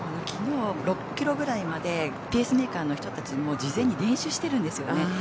きのう６キロぐらいまでペースメーカーの人たちも事前に練習しているんですよね。